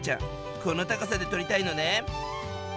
この高さで撮りたいのね。